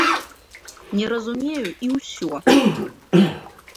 Не разумею і ўсё.